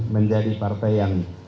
menjadi partai yang